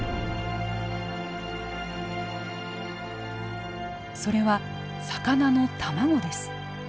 それは魚の卵です。